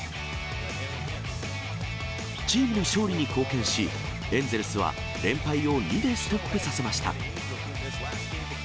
チームの勝利に貢献し、エンゼルスは連敗を２でストップさせました。